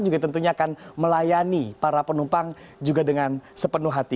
juga tentunya akan melayani para penumpang juga dengan sepenuh hati